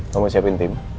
kamu siapin tim